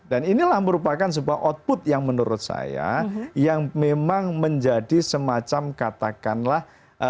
dan inilah merupakan sebuah output yang menurut saya yang memang menjadi semacam katakanlah